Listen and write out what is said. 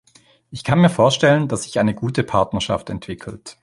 Ich kann mir vorstellen, dass sich eine gute Partnerschaft entwickelt.